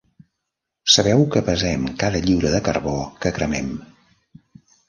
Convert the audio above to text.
Sabeu que pesem cada lliura de carbó que cremem.